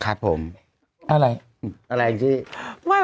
อะไรที่อมอะไร